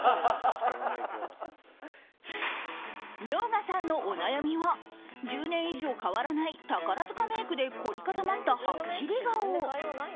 遼河さんのお悩みは１０年以上変わらない宝塚メイクで凝り固まったはっきり顔。